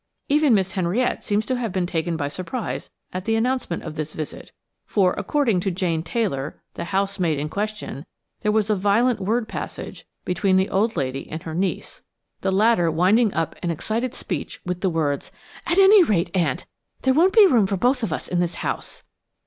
Even Miss Henriette seems to have been taken by surprise at the announcement of this visit, for, according to Jane Taylor, the housemaid in question, there was a violent word passage between the old lady and her niece, the latter winding up an excited speech with the words: "At any rate, aunt, there won't be room for both of us in this house!"